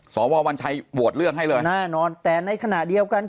สววัญชัยโหวตเลือกให้เลยแน่นอนแต่ในขณะเดียวกัน